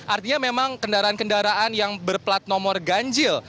artinya memang kendaraan kendaraan yang berplat nomor ganjil